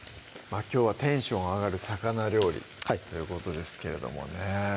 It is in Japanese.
きょうは「テンション上がる魚料理」ということですけれどもね